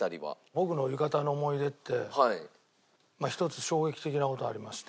僕の浴衣の思い出って１つ衝撃的な事がありまして。